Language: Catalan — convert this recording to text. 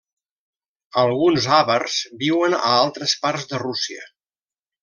Alguns àvars viuen a altres parts de Rússia.